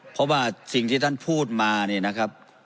เพราะว่าสิ่งที่ท่านพูดมาเนี่ยนะครับ